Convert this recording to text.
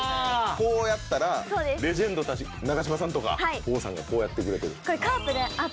こうやったらレジェンドたち長嶋さんとか王さんがこうやってくれてる。